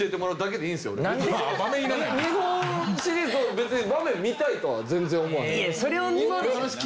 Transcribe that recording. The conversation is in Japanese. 日本シリーズを別に場面見たいとは全然思わない。